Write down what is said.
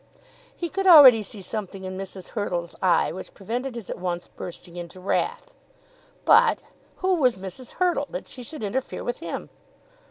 He could already see something in Mrs. Hurtle's eye which prevented his at once bursting into wrath; but who was Mrs. Hurtle, that she should interfere with him?